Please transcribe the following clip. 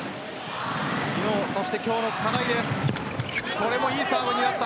昨日そして今日の課題です。